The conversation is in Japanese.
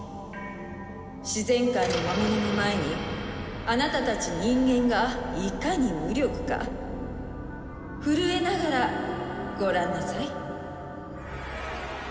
自然界の魔物の前にあなたたち人間がいかに無力か震えながらご覧なさい。